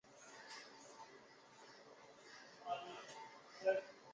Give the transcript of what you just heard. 筑波是大日本帝国海军的巡洋战舰。